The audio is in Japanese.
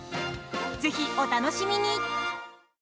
ぜひ、お楽しみに！